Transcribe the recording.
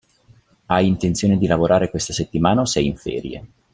Hai intenzione di lavorare questa settimana o sei in ferie?